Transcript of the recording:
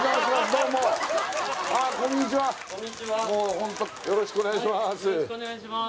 ホントよろしくお願いしまーす